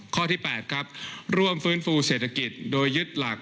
ข้อที่๘ครับร่วมฟื้นฟูเศรษฐกิจโดยยึดหลัก